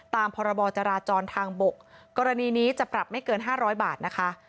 ตามพรบจราจรทางบกกรณีนี้จะปรับไม่เกิน๕๐๐บาทนะคะ